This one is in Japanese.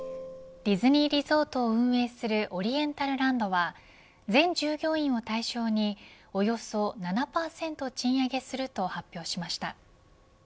ディズニーリゾートを運営するオリエンタルランドは全従業員を対象におよそ７％賃上げすると発表しました。